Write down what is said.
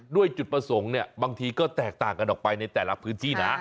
ด้วยจุดประสงค์เนี่ยบางทีก็แตกต่างกันออกไปในแต่ละพื้นที่นะ